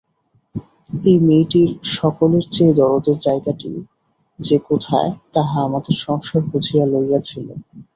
এই মেয়েটির সকলের চেয়ে দরদের জায়গাটি যে কোথায় তাহা আমাদের সংসার বুঝিয়া লইয়াছিল।